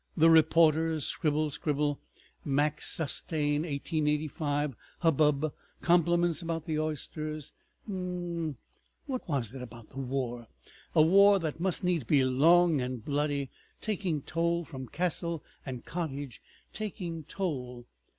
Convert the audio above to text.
The reporters—scribble, scribble. Max Sutaine, 1885. Hubbub. Compliments about the oysters. Mm—mm. ... What was it? About the war? A war that must needs be long and bloody, taking toll from castle and cottage, taking toll!